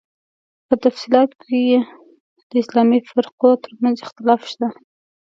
په تفصیلاتو کې یې د اسلامي فرقو تر منځ اختلاف شته.